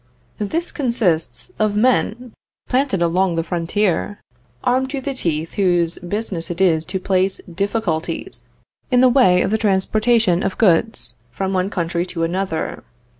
This consists of men planted along the frontier, armed to the teeth, whose business it is to place difficulties in the way of the transportation of goods from one country to another.